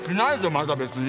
まだ別に。